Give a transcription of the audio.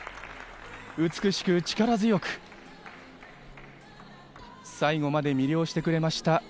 美しく力強く、最後まで魅了してくれました。